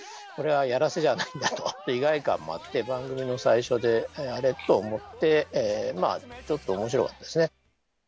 これはやらせじゃないんだと意外感もあって番組の最初であれ？と思ってちょっとおもしろかったですね。